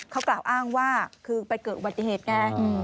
เขากล่าวอ้างว่าคือไปเกิดอุบัติเหตุไง